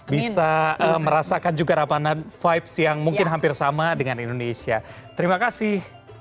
bisa merasakan juga rapat vibes yang mungkin hampir sama dengan indonesia terima kasih